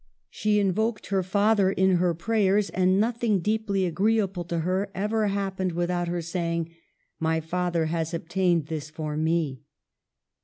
She invoked her father in her prayers, and noth ing deeply agreeable to her ever happened with out her saying, " My father has obtained this for me.